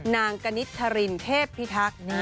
นางกณิชรินเทพพิทักษ์